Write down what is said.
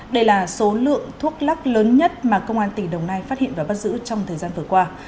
đây là số lượng thuốc lắc lớn nhất mà công an tỉnh đồng nai phát hiện và bắt giữ trong thời gian vừa qua